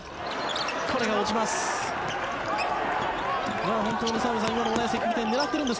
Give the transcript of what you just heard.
これが落ちます。